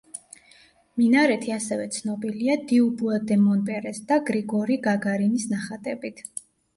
მინარეთი ასევე ცნობილია დიუბუა დე მონპერეს და გრიგორი გაგარინის ნახატებით.